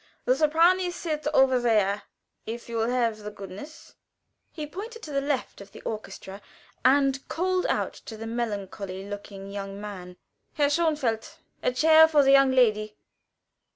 The soprani sit over there, if you will have the goodness." He pointed to the left of the orchestra, and called out to the melancholy looking young man, "Herr Schonfeld, a chair for the young lady!"